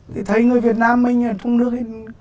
thì thấy người việt nam mình ở trong nước